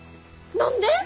何で？